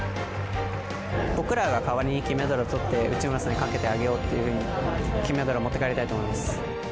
僕らが代わりに金メダルをとって、内村さんにかけてあげようっていうふうに、金メダルを持って帰りたいと思います。